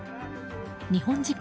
日本時間